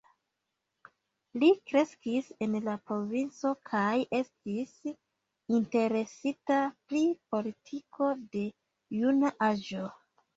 Li kreskis en la provinco, kaj estis interesita pri politiko de juna aĝo.